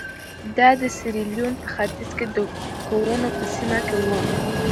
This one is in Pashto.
دا د سیریلیون په ختیځ کې د کونو په سیمه کې وو.